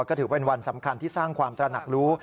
ก็ถือเป็นวันสำคัญที่สร้างความตระหนักรู้